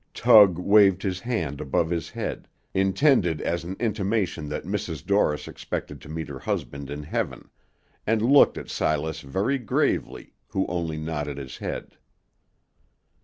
Tug waved his hand above his head, intended as an intimation that Mrs. Dorris expected to meet her husband in heaven, and looked at Silas very gravely, who only nodded his head.